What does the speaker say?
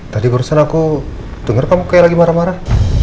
tadi barusan aku dengar kamu kayak lagi marah marah